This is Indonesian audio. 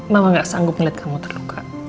mama gak sanggup ngeliat kamu terluka